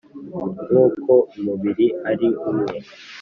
Nk'uko umubiri ari umwe,